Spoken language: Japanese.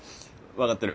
分かってる。